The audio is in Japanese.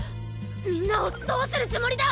みんなをどうするつもりだ！？